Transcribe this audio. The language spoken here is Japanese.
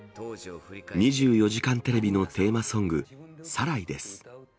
２４時間テレビのテーマソング、サライです。